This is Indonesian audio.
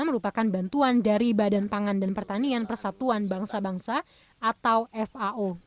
merupakan bantuan dari badan pangan dan pertanian persatuan bangsa bangsa atau fao